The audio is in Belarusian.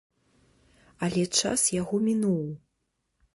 Але час яго мінуў.